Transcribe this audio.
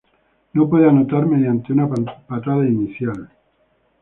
No puede anotar mediante una patada inicial.